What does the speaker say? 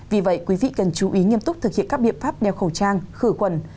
vì vậy quý vị cần chú ý nghiêm túc thực hiện các biện pháp đeo khẩu trang khử khuẩn